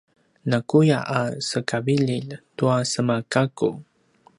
nakuya a sekavililj tua semagakku